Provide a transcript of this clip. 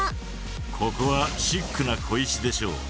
ここはシックな小石でしょう。